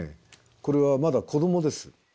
これはまだ子どもです。